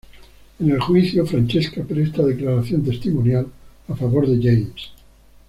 En el juicio, Francesca presta declaración testimonial a favor de James.